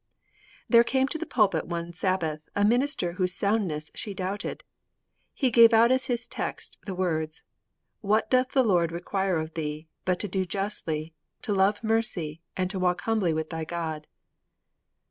There came to the pulpit one Sabbath a minister whose soundness she doubted. He gave out as his text the words: '_What doth the Lord require of thee but to do justly, to love mercy, and to walk humbly with thy God?